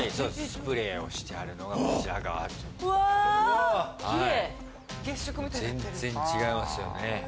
スプレーをしてあるのがこちら側わキレイ全然違いますよね